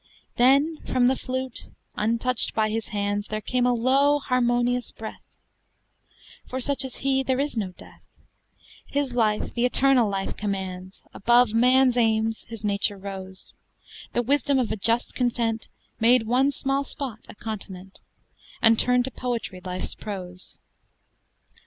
Then from the flute, untouched by hands, There came a low, harmonious breath: "For such as he there is no death; His life the eternal life commands; Above man's aims his nature rose: The wisdom of a just content Made one small spot a continent, And turned to poetry Life's prose.